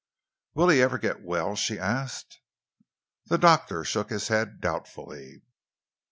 "Will he ever get well?" she asked. The doctor shook his head doubtfully.